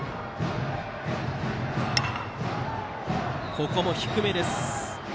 ここも低めです。